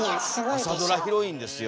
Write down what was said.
朝ドラヒロインですよ